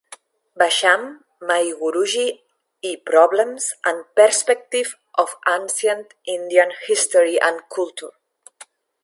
Basham, My Guruji i Problems and Perspectives of Ancient Indian History and Culture.